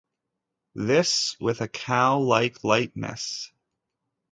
This with a cow-like lightness.